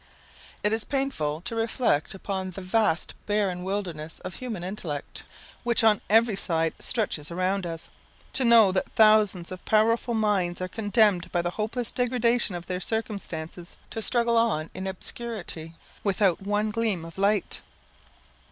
It is painful to reflect upon the vast barren wilderness of human intellect which on every side stretches around us to know that thousands of powerful minds are condemned by the hopeless degradation of their circumstances to struggle on in obscurity, without one gleam of light.